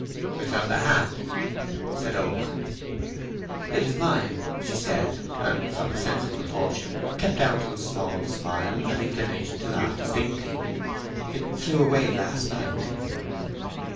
"I found a hat," said Oak. "It is mine," said she, and, from a sense of proportion, kept down to a small smile an inclination to laugh distinctly: "it flew away last night."